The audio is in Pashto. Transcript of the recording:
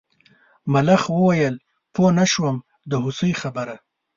ملخ وویل پوه نه شوم د هوسۍ خبره.